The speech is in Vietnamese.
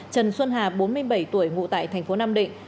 trần xuân hà bốn mươi bảy tuổi ngụ tại thành phố nam định